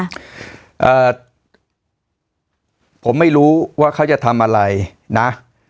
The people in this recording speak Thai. อ่าผมไม่รู้ว่าเขาจะทำอะไรนะ